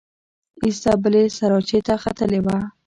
ایسته بلې سراچې ته ختلې وه.